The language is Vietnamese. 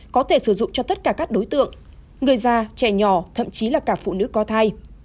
có thể sử dụng cho tất cả các đối tượng người già trẻ nhỏ thậm chí là cả phụ nữ có thai